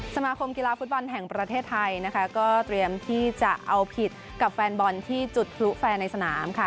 สมาคมกีฬาฟุตบอลแห่งประเทศไทยนะคะก็เตรียมที่จะเอาผิดกับแฟนบอลที่จุดพลุแฟนในสนามค่ะ